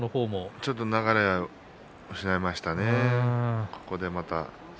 ちょっと流れを失ってしまいましたね。